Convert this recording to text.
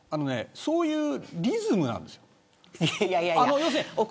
そういうリズムなんですよ。